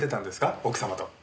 奥様と。